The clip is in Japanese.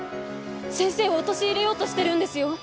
先生を陥れようとしてるんですよ。